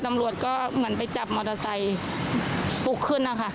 ตำรวจก็เหมือนไปจับมอเตอร์ไซค์ปลุกขึ้นนะคะ